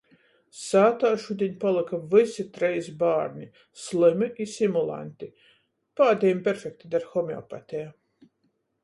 Sātā šudiņ palyka vysi treis bārni. Slymi i simulanti, pādejim perfekti der homeopateja.